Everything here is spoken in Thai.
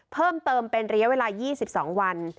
เพิ่มเติมเป็นระยะเวลา๒๒วัน